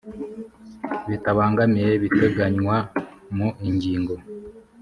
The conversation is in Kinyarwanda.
bitabangamiye ibiteganywa mu ingingo